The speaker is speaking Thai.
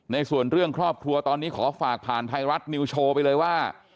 ในส่วนเรื่องครอบครัวตอนนี้ขอฝากผ่านไทยรัฐนิวโชว์ไปเลยว่า